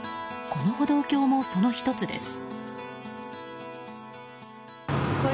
この歩道橋もその１つです。